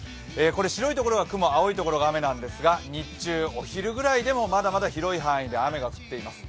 白い所が雲、青い所が雨なんですが日中、お昼ぐらいでもまだまだ広い範囲で雨が降っています。